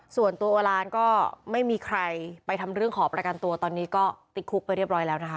ส่วนตัวโอลานก็ไม่มีใครไปทำเรื่องขอประกันตัวตอนนี้ก็ติดคุกไปเรียบร้อยแล้วนะคะ